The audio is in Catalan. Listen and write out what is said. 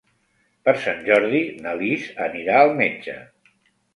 Per Sant Jordi na Lis anirà al metge.